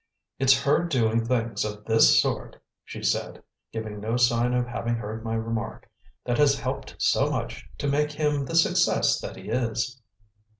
"It's her doing things of this sort," she said, giving no sign of having heard my remark, "that has helped so much to make him the success that he is."